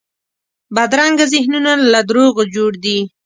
بدرنګه ذهنونه له دروغو جوړ دي